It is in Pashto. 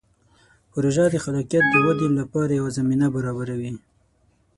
پروژه د خلاقیت د ودې لپاره یوه زمینه برابروي.